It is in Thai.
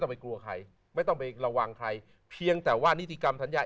ไปกลัวใครไม่ต้องไประวังใครเพียงแต่ว่านิติกรรมสัญญาณ